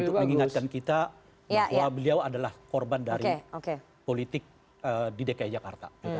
untuk mengingatkan kita bahwa beliau adalah korban dari politik di dki jakarta